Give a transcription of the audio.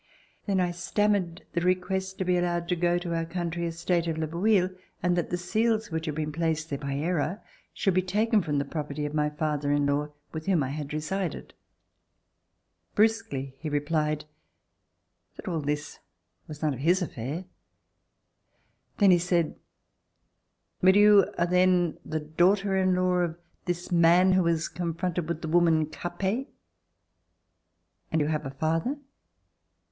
Then I stammered RECOLLECTIONS OF THE REVOLUTION the request to be allowed to go to our country estate of Le Boullh and that the seals which had been placed there by error should be taken from the property of my father in law, with whom I had resided. Brusquely he replied that all this was none of his affair. Then he said: "But you are then the daughter in law of this man who was confronted with the woman Capet ?... And you have a father